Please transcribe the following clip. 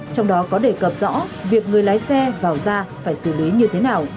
trong đó có đề cập rõ việc người lái xe vào ra phải xử lý như thế nào